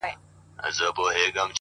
عاجزي د درنو انسانانو نښه ده